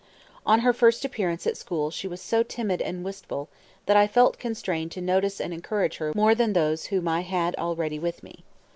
On her first appearance at school she was so timid and wistful that I felt constrained to notice and encourage her more than those whom I had already with me.